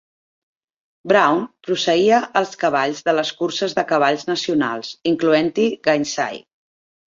Brown posseïa els cavalls de les curses de cavalls nacionals, incloent-hi Gainsay.